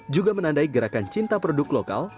juga menandai gerakan cinta produk lokal